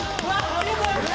ありがとうございます！